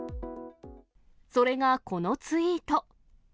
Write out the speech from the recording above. それがこのツイート。